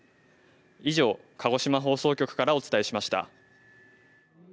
以上、鹿児島放送局からお伝えしました。